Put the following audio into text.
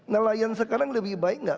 nelayan sekarang lebih baik nggak